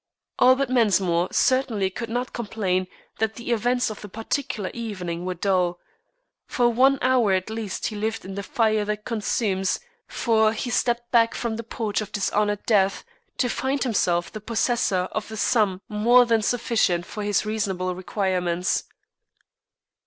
Albert Mensmore certainly could not complain that the events of the particular evening were dull. For one hour at least he lived in the fire that consumes, for he stepped back from the porch of dishonored death to find himself the possessor of a sum more than sufficient for his reasonable requirements.